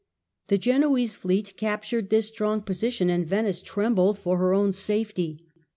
The Genoese fleet captured this strong position and Venice trembled for her own safety.